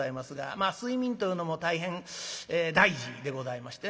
まあ睡眠というのも大変大事でございましてね。